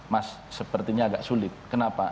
mas sepertinya agak sulit kenapa